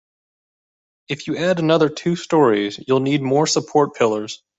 If you add another two storeys, you'll need more support pillars.